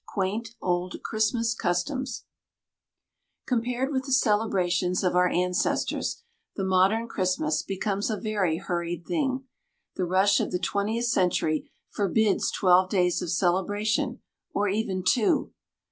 Quaint Old Christmas Customs Compared with the celebrations of our ancestors, the modern Christmas becomes a very hurried thing. The rush of the twentieth century forbids twelve days of celebration, or even two.